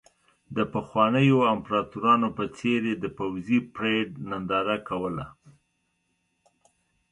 د پخوانیو امپراتورانو په څېر یې د پوځي پرېډ ننداره کوله.